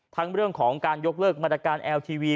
ทั้งเรื่องของการยกเลิกมาตรการแอลทีวี